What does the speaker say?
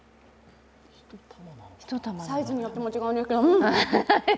サイズによっても違うんですけどうん！